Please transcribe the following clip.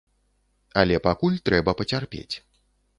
Але пакуль трэба пацярпець.